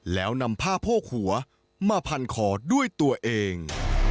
แล้วนำผ้าโพกหัวมาพันคอด้วยตัวเอง